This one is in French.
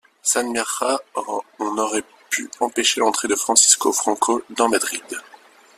Sans Miaja, on n'aurait pu empêcher l'entrée de Francisco Franco dans Madrid.